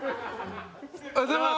おはようございます。